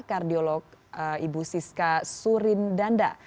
kardiolog ibu siska surindanda